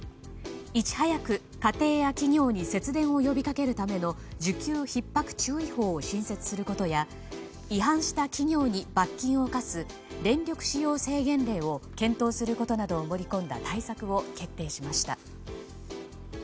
いち早く家庭や企業に節電を呼びかけるための需給ひっ迫注意報を新設することや違反した企業に罰金を科す電力使用制限令を検討することなどを盛り込んだ対策を決定しました。